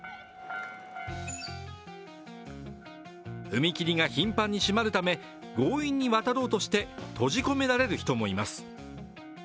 踏切が頻繁に閉まるため、強引に渡ろうとして閉じ込められる人もいます。